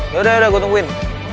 yaudah gua tungguin